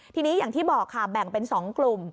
ทีนี้อย่างที่บอกค่ะแบ่งเป็น๒กลุ่ม